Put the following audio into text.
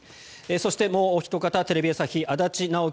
そしてもうおひと方テレビ朝日足立直紀